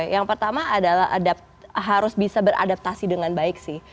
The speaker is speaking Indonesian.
yang pertama adalah harus bisa beradaptasi dengan baik sih